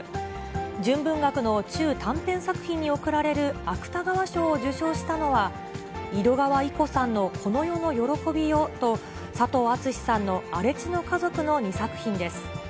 純文学の中・短編作品に贈られる芥川賞を受賞したのは、井戸川射子さんのこの世の喜びよと、佐藤厚志さんの荒地の家族の２作品です。